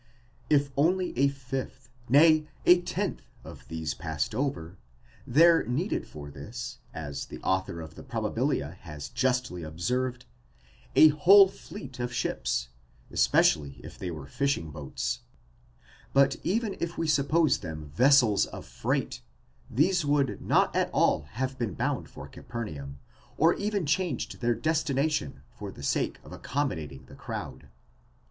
If only a fifth, nay, a tenth of these passed over, there needed for this, as the author of the Probabilia has justly observed, a whole fleet of ships, especially if they were fishing boats ; but even if we suppose them vessels of freight, these would not all have been bound for Capernaum, or have changed their destination for the sake of | accommodating the crowd.